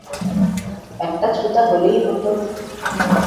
একটা ছুতা হলেই হতো।